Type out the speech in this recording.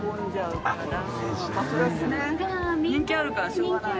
人気あるからしょうがない。